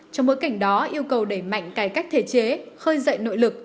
trong bối cảnh đó yêu cầu đẩy mạnh cải cách thể chế khơi dậy nội lực